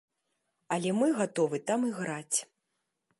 Але мы гатовы там іграць.